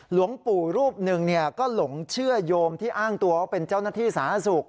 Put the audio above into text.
หลวงปู่รูปหนึ่งก็หลงเชื่อโยมที่อ้างตัวว่าเป็นเจ้าหน้าที่สาธารณสุข